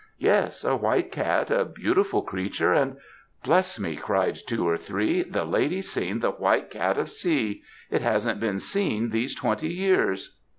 "'Yes, a white cat; a beautiful creature and ' "'Bless me!' cried two or three, 'the lady's seen the White Cat of C. It hasn't been seen these twenty years.'